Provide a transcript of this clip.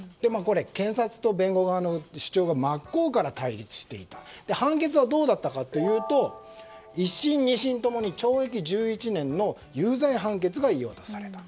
検察と弁護側の主張が真っ向から対立して判決はどうだったかというと１審、２審共にに懲役１１年の有罪判決が言い渡された。